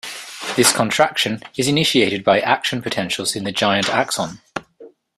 This contraction is initiated by action potentials in the giant axon.